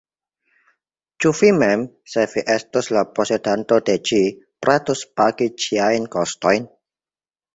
Ĉu vi mem, se vi estus la posedanto de ĝi, pretus pagi ĝiajn kostojn?